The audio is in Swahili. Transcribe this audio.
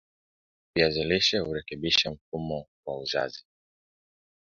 viazi lishe hurekebisha mfumo wa uzazi